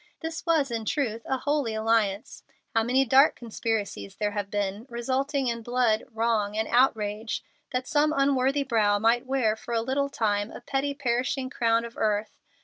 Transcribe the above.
This was in truth a "holy alliance." How many dark conspiracies there have been, resulting in blood, wrong, and outrage, that some unworthy brow might wear for a little time a petty, perishing crown of earth!